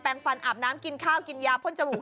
ฟันอาบน้ำกินข้าวกินยาพ่นจมูก